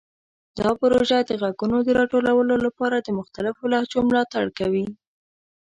دا پروژه د غږونو د راټولولو لپاره د مختلفو لهجو ملاتړ کوي.